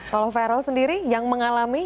kalau viral sendiri yang mengalami